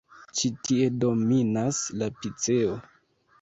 Ĉi tie dominas la piceo.